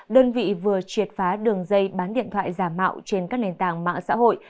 đơn vị vừa triệt phá đường dây bán điện thoại giả mạo trên các nền tảng mạng xã hội